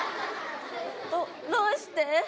どどうして？